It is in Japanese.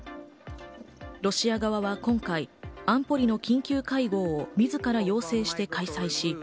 ロシア側は今回、安保理の緊急会合をみずから要請して開催。